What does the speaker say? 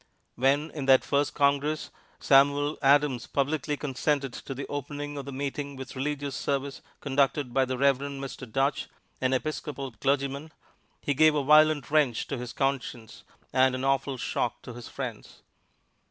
When in that first Congress, Samuel Adams publicly consented to the opening of the meeting with religious service conducted by the Reverend Mr. Duche, an Episcopal clergyman, he gave a violent wrench to his conscience and an awful shock to his friends.